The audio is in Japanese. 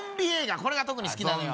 これが特に好きなのよ